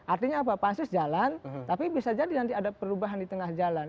artinya apa pansus jalan tapi bisa jadi nanti ada perubahan di tengah jalan